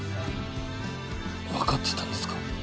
わかってたんですか？